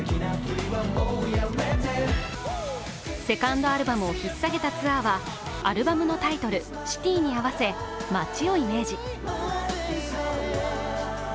セカンドアルバムを引っさげたツアーはアルバムのタイトル「ＣＩＴＹ」に合わせ街をイメージ。